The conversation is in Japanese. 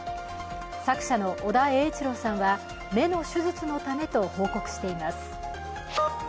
作者の尾田栄一郎さんは、目の手術のためと報告しています。